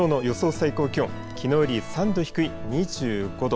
最高気温きのうより３度低い２５度。